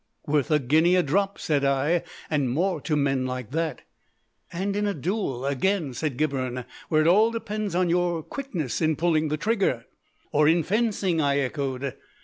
"Worth a guinea a drop," said I, "and more to men like that." "And in a duel, again," said Gibberne, "where it all depends on your quickness in pulling the trigger." "Or in fencing," I echoed.